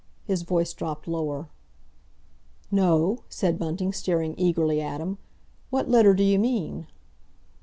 his voice dropped lower. "No," said Bunting, staring eagerly at him. "What letter d'you mean?"